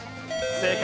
正解。